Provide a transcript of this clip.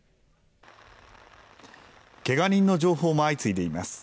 けが人の情報も相次いでいます。